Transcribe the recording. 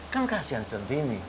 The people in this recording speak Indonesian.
kan kasihan centini